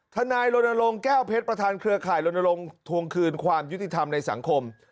นายรณรงค์แก้วเพชรประธานเครือข่ายลนลงทวงคืนความยุติธรรมในสังคม